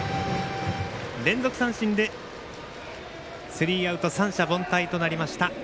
連続三振でスリーアウト三者凡退となりました。